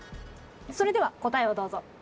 それでは答えをどうぞ。